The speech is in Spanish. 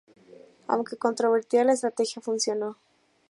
Aunque controvertida, la estrategia funcionó.